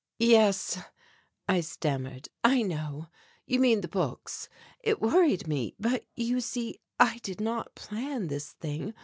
"Yes," I stammered, "I know. You mean the books. It worried me, but, you see, I did not plan this thing.